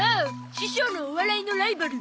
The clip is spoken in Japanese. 師匠のお笑いのライバル。